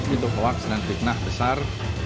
itu hoaks dan fitnah besar